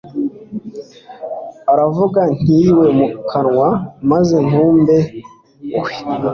aravuga ntirive mu kanwa maze kumbe we